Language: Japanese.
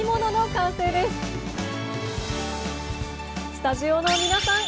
スタジオの皆さん